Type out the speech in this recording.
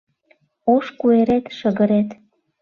Ош куэрет шыгырет